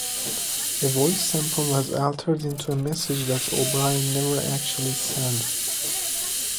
A voice sample was altered into a message that O'Brien never actually said.